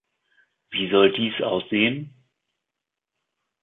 Wie soll dies aussehen?